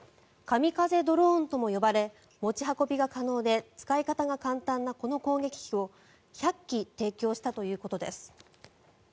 カミカゼドローンとも呼ばれ持ち運びが可能で使い方が簡単なこの攻撃機を１００機提供したということです。